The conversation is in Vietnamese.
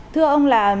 thưa ông là